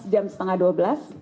jam setengah dua belas